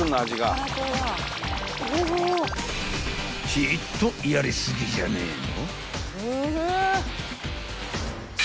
［ちいっとやり過ぎじゃねえの？］